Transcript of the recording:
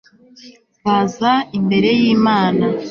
baza imbere y'imana